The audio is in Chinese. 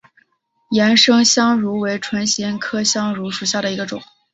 岩生香薷为唇形科香薷属下的一个种。